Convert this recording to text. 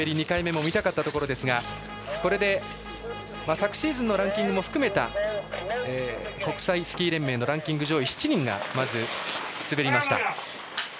２回目も見たかったところですがこれで、昨シーズンのランキングも含めた国際スキー連盟のランキング上位７名がまず滑りました。